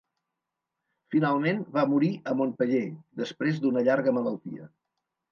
Finalment, va morir a Montpeller després d'una llarga malaltia.